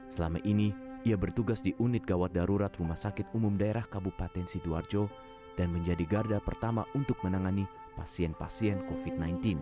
selama ini ia bertugas di unit gawat darurat rsud sidoarjo dan menjadi garda pertama untuk menangani pasien pasien covid sembilan belas